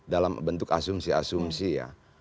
dalam bentuk asumsi asumsi ya